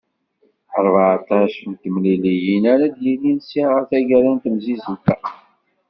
Rbeεṭac n temliliyin ara d-yilin sya ɣer taggara n temsizzelt-a.